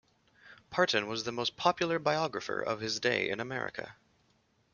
Parton was the most popular biographer of his day in America.